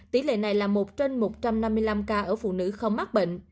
tỷ lệ này là một trên một trăm năm mươi năm ca ở phụ nữ không mắc bệnh